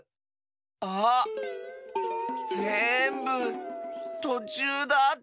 あぜんぶとちゅうだった。